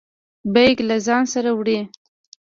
بیګ له ځانه سره وړئ؟